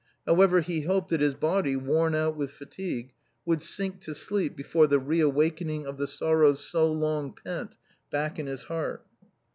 However, he hoped that his body, worn out with fatigue, would sink to sleep before the reawakening of the sorrows so long pent back in his heart.